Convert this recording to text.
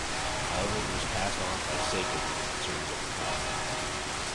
However, it was passed on by Sega due to concerns over cost.